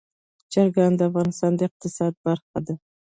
چرګان د افغانستان د اقتصاد برخه ده.